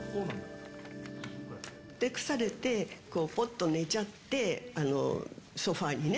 ふてくされてぽっと寝ちゃって、ソファにね。